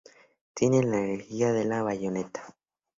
Tiene la energía de la bayoneta.